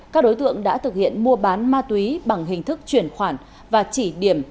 các đối tượng đã thực hiện mua bán ma túy bằng hình thức chuyển khoản và chỉ điểm